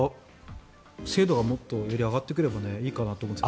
精度がもっとより上がってくればいいかなと思います。